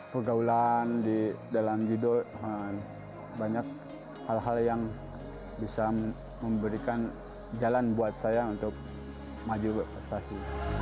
pergaulan di dalam judo banyak hal hal yang bisa memberikan jalan buat saya untuk maju berprestasi